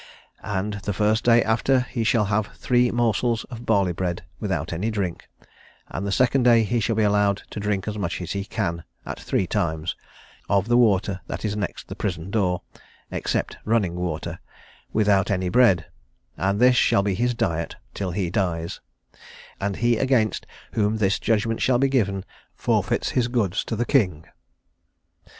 And the first day after he shall have three morsels of barley bread, without any drink; and the second day he shall be allowed to drink as much as he can, at three times, of the water that is next the prison door, except running water, without any bread; and this shall be his diet till he dies; and he against whom this judgment shall be given, forfeits his goods to the king."